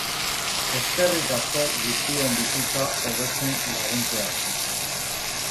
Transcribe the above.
Eskerrik asko guztion bizitza hobetzen laguntzeagatik.